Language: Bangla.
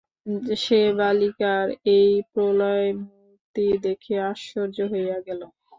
সে বালিকার এই প্রলয়মূর্তি দেখিয়া আশ্চর্য হইয়া গেল।